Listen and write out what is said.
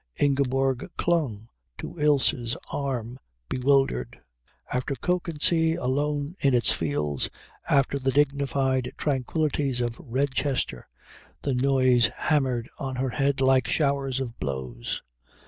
Ingeborg clung to Ilse's arm bewildered. After Kökensee alone in its fields, after the dignified tranquillities of Redchester, the noise hammered on her head like showers of blows.